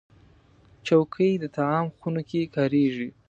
چوکۍ د طعام خونو کې کارېږي.